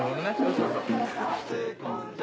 そうそう。